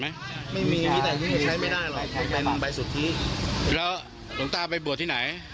ไปร่วมให้ไปร่วมให้